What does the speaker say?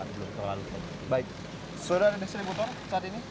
sudah ada distributor saat ini